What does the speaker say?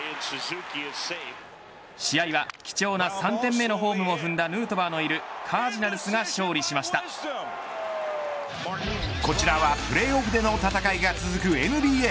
試合は貴重な３点目のホームも踏んだヌートバーのいるこちらはプレーオフでの戦いが続くＮＢＡ。